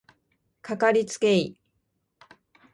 かかりつけ医